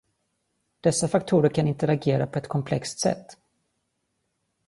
Dessa faktorer kan interagera på ett komplext sätt.